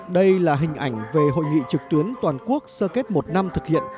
đây là hình ảnh về hội nghị trực tuyến toàn quốc sơ kết một năm thực hiện